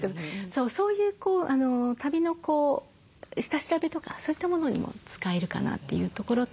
そういう旅の下調べとかそういったものにも使えるかなというところと。